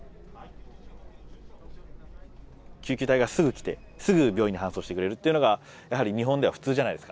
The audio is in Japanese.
救急隊がすぐ来てすぐ病院に搬送してくれるっていうのがやはり日本では普通じゃないですか。